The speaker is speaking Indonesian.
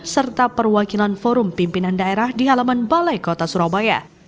serta perwakilan forum pimpinan daerah di halaman balai kota surabaya